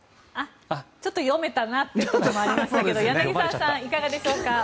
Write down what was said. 読めたなってこともありましたけど柳澤さん、いかがでしょうか。